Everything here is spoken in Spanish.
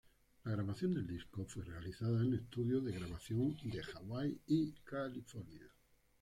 La grabación del disco fue realizada en estudios de grabación de Hawái y California.